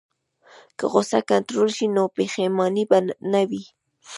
که غوسه کنټرول شي، نو پښیماني به نه وي.